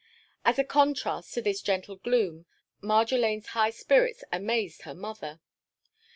As a contrast to this gentle gloom, Marjolaine's high spirits amazed her mother.